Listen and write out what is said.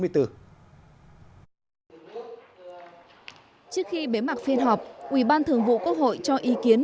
trước khi bế mạc phiên họp ủy ban thường vụ quốc hội cho ý kiến